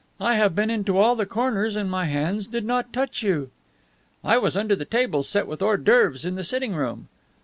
I have been into all the corners, and my hands did not touch you." "I was under the table set with hors d'oeuvres in the sitting room."